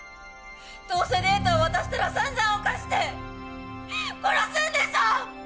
どうせデータを渡したらさんざん犯して殺すんでしょ！